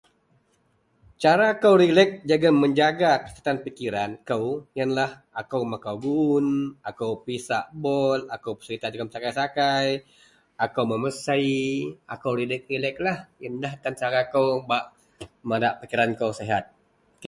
cara kou relek jegum menjaga tan pikiran kou ienlah, akou makau guun, akou pisak bol, akou perserita jegum sakai-sakai, akou memesei, akou relek-releklah, ien tanlah cara kou bak madak pikiran kou sihat